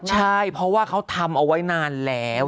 ใช่เพราะว่าเขาทำเอาไว้นานแล้ว